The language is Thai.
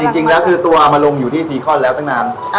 จริงแล้วคือตัวมาลงอยู่ที่ซีคอนแล้วตั้งนาน